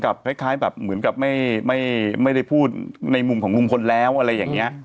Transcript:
คล้ายแบบเหมือนกับไม่ได้พูดในมุมของลุงพลแล้วอะไรอย่างนี้